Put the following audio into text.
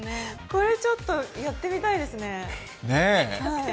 これちょっとやってみたいですね。